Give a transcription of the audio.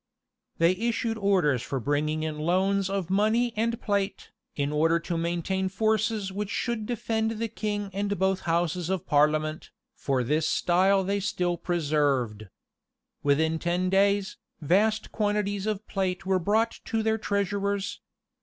They issued orders for bringing in loans of money and plate, in order to maintain forces which should defend the king and both houses of parliament; for this style they still preserved. Within ten days, vast quantities of plate were brought to their treasurers.